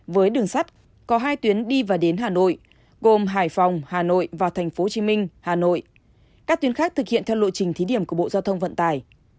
với đường sắt có hai tuyến đi và đến hà nội gồm hải phòng hà nội và tp hcm hà nội các tuyến khác thực hiện theo lộ trình thí điểm của bộ giao thông vận tải